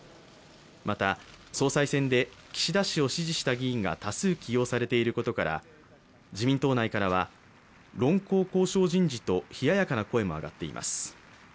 また、総裁選で岸田氏を支持した議員が多数起用されていることから、自民党内からは論功行賞人事と冷ややかな声も上がっています。